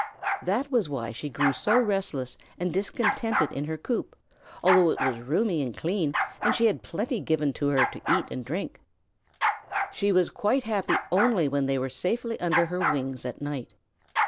That was why she grew so restless and discontented in her coop, although it was roomy and clean and she had plenty given her to eat and drink. She was quite happy only when they were safely under her wings at night.